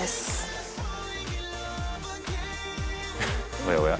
おやおや